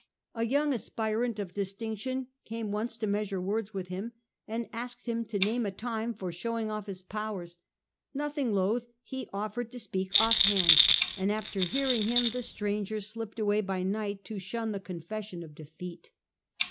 ^ A young aspirant of distinction came once to measure words with him, and asked him to name a time for showing off his powers. Nothing loth, he offered to speak offhand, and after hearing him the stranger slipped away by night to shun the confession of defeat.